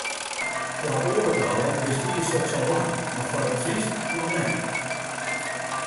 Foar oare talen bestie soks al lang, mar foar it Frysk noch net.